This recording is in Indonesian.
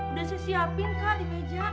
udah saya siapin kak di meja